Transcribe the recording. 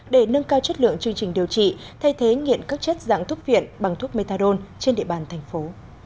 để nâng cao chất lượng chương trình điều trị thay thế nghiện các chất dạng thuốc viện bằng thuốc methadone trên địa bàn thành phố